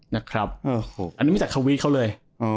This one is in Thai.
นะครับอันนี้ไม่จากเขาวิทย์เขาเลย